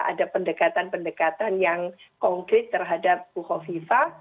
ada pendekatan pendekatan yang konkret terhadap bu hovifah